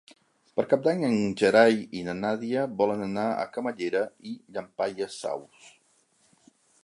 Per Cap d'Any en Gerai i na Nàdia volen anar a Camallera i Llampaies Saus.